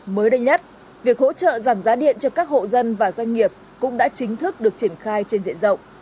mới đây nhất việc hỗ trợ giảm giá điện cho các hộ dân và doanh nghiệp cũng đã chính thức được triển khai trên diện rộng